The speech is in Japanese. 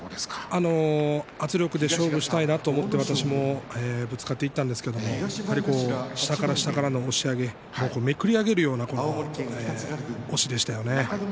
圧力で勝負したいなと私も思ってぶつかっていったんですが下から下からの押し上げでめくり上げるような押しでしたね。